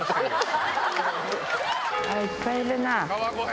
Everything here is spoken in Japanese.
いっぱいいるなぁ。